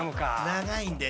長いんでね。